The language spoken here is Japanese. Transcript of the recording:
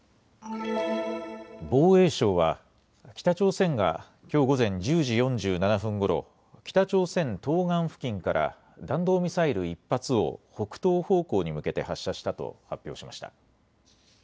防衛省は北朝鮮がきょう午前１０時４７分ごろ、北朝鮮東岸付近から弾道ミサイル１発を北東方向に向けて発射したと発表しました。